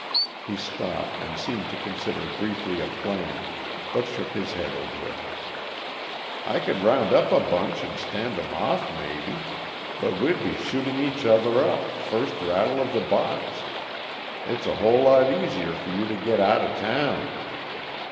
He stopped, and seemed to consider briefly a plan, but shook his head over it. "I could round up a bunch and stand 'em off, maybe but we'd be shooting each other up, first rattle of the box. It's a whole lot easier for you to get outa town."